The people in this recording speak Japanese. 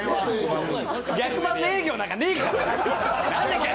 逆バズ営業なんかねえから！